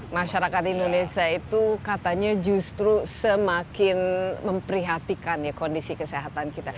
masyarakat indonesia itu katanya justru semakin memprihatikan ya kondisi kesehatan kita